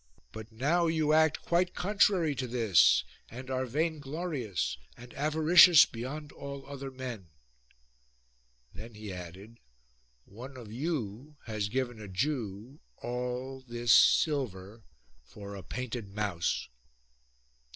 But now you act quite contrary to this ; and are vainglorious and avaricious beyond all other men." Then he added :" One of you has given a Jew all this silver for a painted mouse."